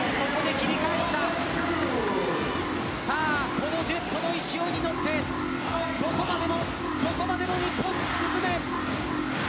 このジェットの勢いに乗ってどこまでもどこまでも日本、進め。